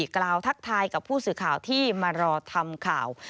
ทักทายกับผู้สื่อข่าวที่มารอทำข่าว